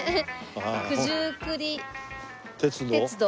「九十九里鐵道」